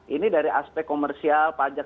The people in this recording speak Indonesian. ini dari aspek komersial pajak